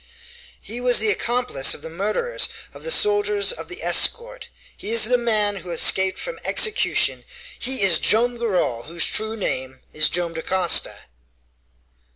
He was the accomplice of the murderers of the soldiers of the escort; he is the man who escaped from execution; he is Joam Garral, whose true name is Joam Dacosta.